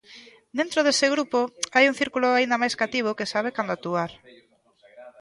Dentro dese grupo hai un círculo aínda máis cativo que sabe cando actuar.